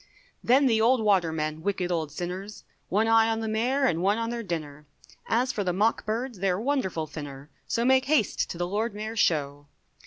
Then the old watermen, wicked old sinners, One eye on the Mayor and one on their dinner, As for the mock birds, they're wonderful thinner, So make haste to the Lord Mayor's Show.